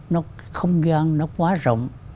nó không gian nó quá rộng